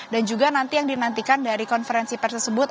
dan juga nanti yang dinantikan dari konferensi pers tersebut